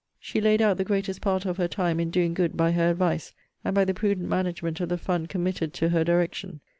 She laid out the greatest part of her time in doing good by her advice, and by the prudent management of the fund committed to her direction.